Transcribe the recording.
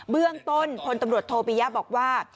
เรื่องต้นพลตำรวจโทปิยะบอกว่า